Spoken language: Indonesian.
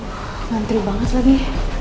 wuhh nanti banget lagi